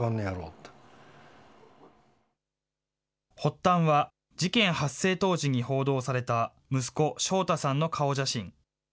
発端は、事件発生当時に報道された息子、将太さんの顔写真。